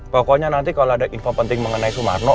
pokoknya nanti kalau ada info penting mengenai sumarno